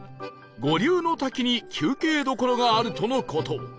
五竜の滝に休憩どころがあるとの事